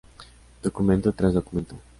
Documento tras documento.